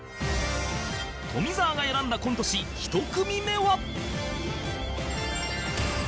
富澤が選んだコント師１組目は